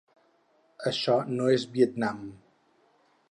Això no és Vietnam.